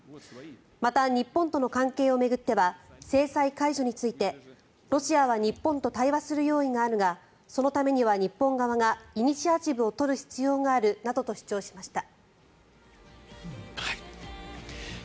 また、日本との関係を巡っては制裁解除についてロシアは日本と対話する用意があるがそのためには、日本側がイニシアチブを取る必要があるなどと主張しました。